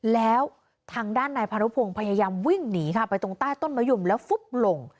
แล้วทางด้านนายพานุพงศ์พยายามวิ่งหนีค่ะไปตรงใต้ต้นมะยุ่มแล้วฟุบลง